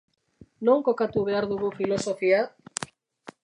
Non kokatu behar dugu filosofia?